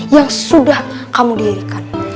yang sudah kamu diirikan